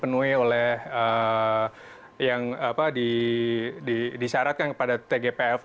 penuhi oleh yang disyaratkan kepada tgpf